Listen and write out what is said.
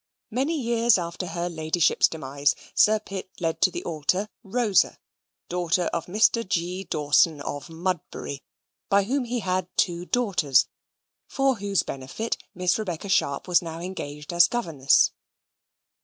Many years after her ladyship's demise, Sir Pitt led to the altar Rosa, daughter of Mr. G. Dawson, of Mudbury, by whom he had two daughters, for whose benefit Miss Rebecca Sharp was now engaged as governess.